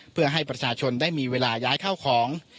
เพื่อให้ประชาชนได้มีเวลาย้ายเข้าของ